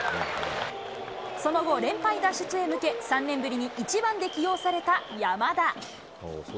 その後、連敗脱出へ向け、３年ぶりに１番で起用された山田。